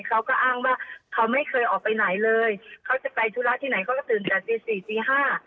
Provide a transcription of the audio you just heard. เขาก็อ้างว่าเขาไม่เคยออกไปไหนเลยเขาจะไปธุระที่ไหนเขาก็ตื่นแต่ตีสี่ตีห้า